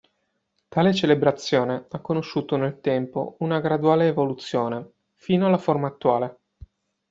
Tale celebrazione ha conosciuto nel tempo una graduale evoluzione, fino alla forma attuale.